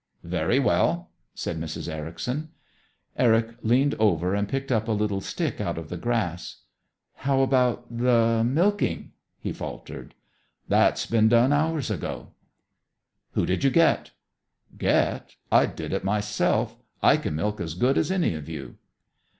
"Very well," said Mrs. Ericson. Eric leaned over and picked up a little stick out of the grass. "How about the milking?" he faltered. "That's been done, hours ago." "Who did you get?" "Get? I did it myself. I can milk as good as any of you."